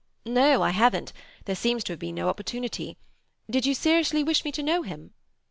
"No, I haven't. There seems to have been no opportunity. Did you seriously wish me to know him?"